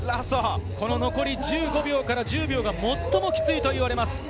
残り１５秒から１０秒がもっともキツいといわれます。